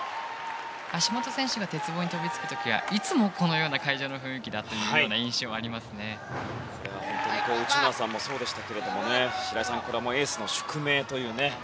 橋本選手が鉄棒に飛びつく時にはいつもこのような会場の雰囲気だという内村さんもそうでしたが白井さんこれはエースの宿命というね。